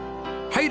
はい。